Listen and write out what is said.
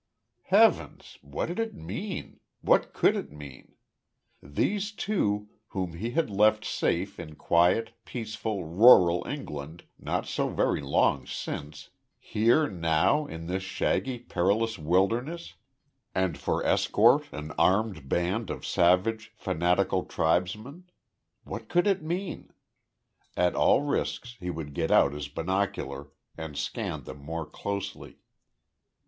Heavens! what did it mean what could it mean? These two, whom he had left safe in quiet, peaceful, rural England, not so very long since here now, in this shaggy, perilous wilderness, and for escort an armed band of savage, fanatical tribesmen. What could it mean? At all risks he would get out his binocular and scan them more closely.